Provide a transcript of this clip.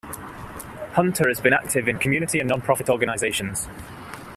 Hunter has been active in community and nonprofit organizations.